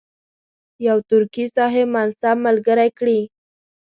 یو ترکي صاحب منصب ملګری کړي.